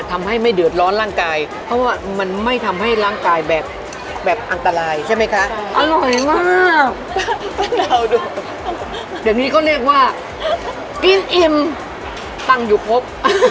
ใช่มั้ยคะอร่อยมากเดี๋ยวนี้ก็เรียกว่ากินอิ่มตังอยู่ครบ